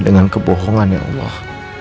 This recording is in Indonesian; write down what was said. dengan kebohongan ya allah